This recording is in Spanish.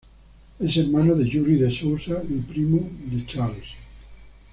Es hermano de Yuri de Souza y primo de Charles.